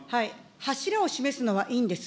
柱を示すのはいいんです。